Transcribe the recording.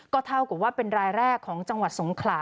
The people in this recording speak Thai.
เท่ากับว่าเป็นรายแรกของจังหวัดสงขลา